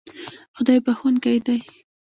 خدای بښونکی دی